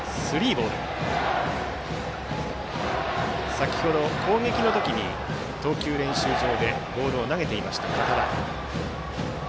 先程、攻撃の時に投球練習場でボールを投げていました、堅田。